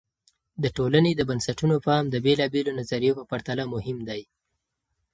د ټولنې د بنسټونو فهم د بېلابیلو نظریو په پرتله مهم دی.